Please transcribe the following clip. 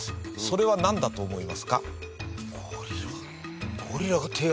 それはなんだと思いますか？